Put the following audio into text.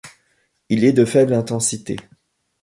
Il est de faible intensité.